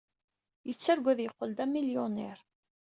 Yettargu ad yeqqel d amilyuniṛ.